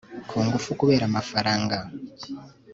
kungunfu kubera amafaranga